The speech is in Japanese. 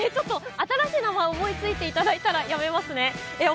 新しい名前思いついていただいたらやめます。